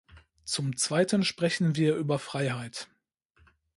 Zum zweiten sprechen wir über Freiheit.